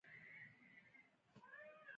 هره سجدې ته برکتونه نغښتي دي.